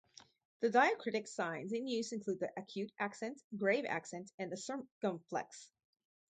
The diacritic signs in use include the acute accent, grave accent and the circumflex.